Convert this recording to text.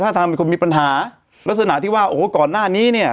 ถ้าทางเป็นคนมีปัญหาลักษณะที่ว่าโอ้โหก่อนหน้านี้เนี่ย